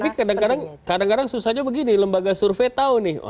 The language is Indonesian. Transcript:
tapi kadang kadang susahnya begini lembaga survei tahu nih